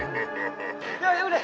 「やめてくれ！」。